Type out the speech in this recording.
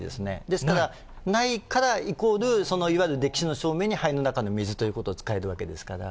ですから、ないから、イコール、そのいわゆる溺死の証明に、肺の中に水というのが使えるわけですから。